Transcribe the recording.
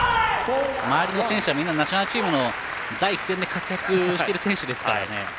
周りの選手はみんなナショナルチームの第一線で活躍している選手ですからね。